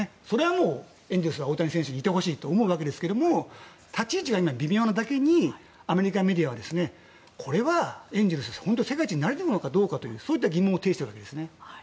もうエンゼルスは大谷選手にいてほしいと思うわけですが立ち位置が微妙なだけにアメリカメディアはこれはエンゼルス世界一になれるのかどうかというそういった疑問を呈しているわけです。